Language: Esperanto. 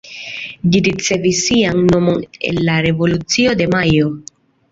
Ĝi ricevis sian nomon el la Revolucio de Majo.